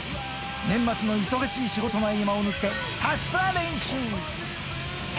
年末の忙しい仕事の合間を縫って、ひたすら練習。